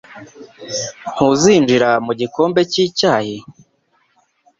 Ntuzinjira mu gikombe cy'icyayi?